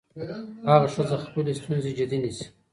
هغه ښځه خپلې ستونزې جدي نيسي.